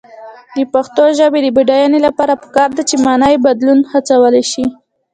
د پښتو ژبې د بډاینې لپاره پکار ده چې معنايي بدلون هڅول شي.